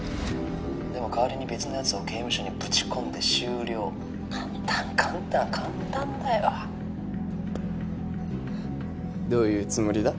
「でも代わりに別の奴を刑務所にぶち込んで終了」「簡単簡単。簡単だよ」どういうつもりだ？